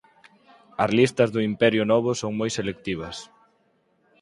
As listas do Imperio Novo son moi selectivas.